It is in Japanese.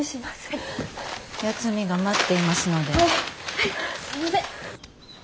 はいすいません。